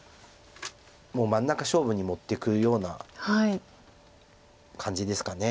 もう真ん中勝負に持っていくような感じですかね。